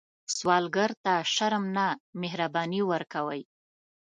سوالګر ته شرم نه، مهرباني ورکوئ